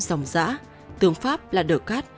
dòng dã tướng pháp là đỡ cát